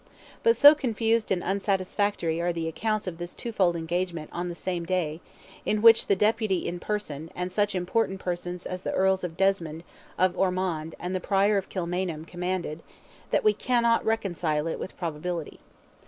But so confused and unsatisfactory are the accounts of this twofold engagement on the same day, in which the Deputy in person, and such important persons as the Earls of Desmond, of Ormond, and the Prior of Kilmainham commanded, that we cannot reconcile it with probability.